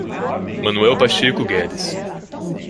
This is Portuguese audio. Manoel Pacheco Guedes